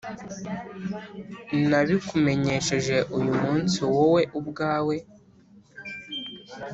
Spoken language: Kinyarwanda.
nabikumenyesheje uyu munsi wowe ubwawe